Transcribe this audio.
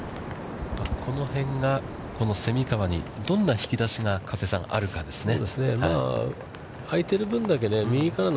この辺がこの蝉川にどんな引き出しが加瀬さん、あるかですね。